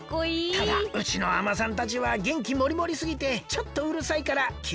ただうちの海女さんたちはげんきもりもりすぎてちょっとうるさいからきをつけたほうが。